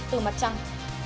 từ mặt trăng